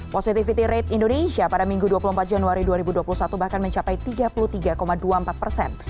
positivity rate indonesia pada minggu dua puluh empat januari dua ribu dua puluh satu bahkan mencapai tiga puluh tiga dua puluh empat persen